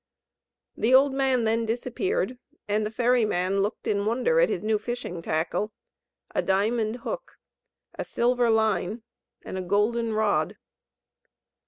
The old man then disappeared, and the ferry man looked in wonder at his new fishing tackle a diamond hook, a silver line, and a golden rod.